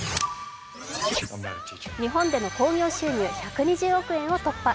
日本での興行収入１２０億円を突破。